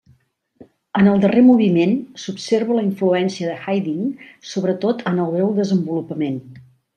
En el darrer moviment s'observa la influència de Haydn, sobretot en el breu desenvolupament.